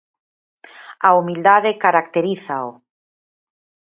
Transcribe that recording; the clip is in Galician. A humildade caracterízao.